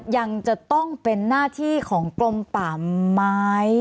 ยังจะต้องเป็นหน้าที่ของกลมป่าไม้